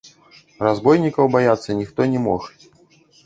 Разбойнікаў баяцца ніхто не мог.